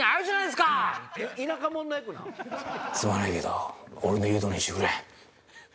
すまないけど俺の言う通りにしてくれ。